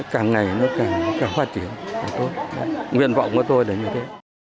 càng ngày nó càng phát triển càng tốt nguyện vọng của tôi đến như thế